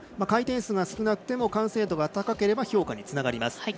回転数が少なくても完成度が高ければ評価につながります。